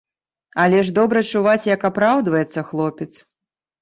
Але ж добра чуваць, як апраўдваецца хлопец.